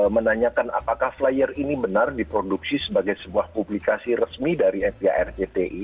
menanyakan apakah flyer ini benar diproduksi sebagai sebuah publikasi resmi dari fpi arcti